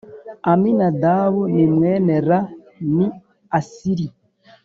Aminadabu ni mwene ra ni Asiri